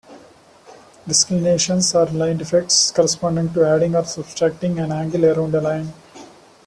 Disclinations are line defects corresponding to "adding" or "subtracting" an angle around a line.